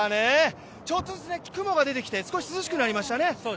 ちょっとずつ雲が出てきて少し涼しくなりましたね。